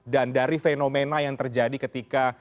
dan dari fenomena yang terjadi ketika